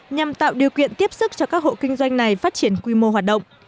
nhằm tạo điều kiện tiếp sức cho các hộ kinh doanh này phát triển quy mô hoạt động